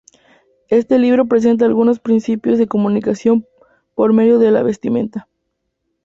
Este libro presenta algunos principios de comunicación por medio de la vestimenta.